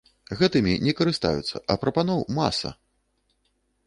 Гэтымі не карыстаюцца, а прапаноў маса!